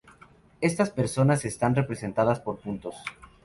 Estas personas están representadas por puntos.